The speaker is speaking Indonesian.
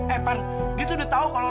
eh pan dia tuh udah tau kalo lu tuh kemana